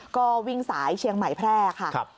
ก็วิ่งสายเชียงใหม่แพร่ค่ะ